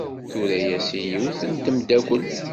Tura-as i yiwet n tmeddakelt.